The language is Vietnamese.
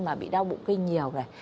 mà bị đau bụng kinh nhiều này